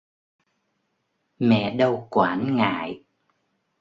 Mẹ đâu quản ngại